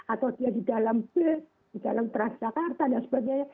atau dia di dalam bus di dalam transjakarta dan sebagainya